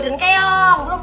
ajak ya apa young